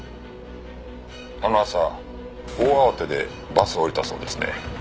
あの朝大慌てでバスを降りたそうですね。